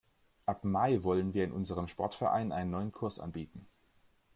Ab Mai wollen wir in unserem Sportverein einen neuen Kurs anbieten.